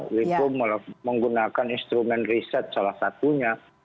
lipo menggunakan instrumen riset salah satunya